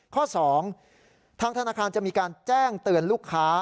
ข้อ๒ทางธนาคารจะมีการแจ้งเตือนลูกค้า